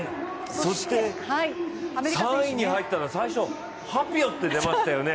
そして３位に入ったのが最初ハピオって出ましたよね。